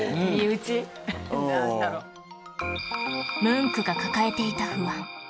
ムンクが抱えていた不安